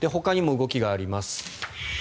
ほかにも動きがあります。